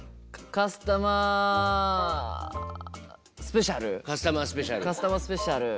カスタマースペシャル。